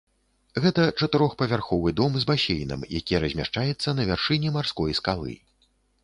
Гэта чатырохпавярховы дом з басейнам, які размяшчаецца на вяршыні марской скалы.